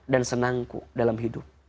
dan senangku dalam hidup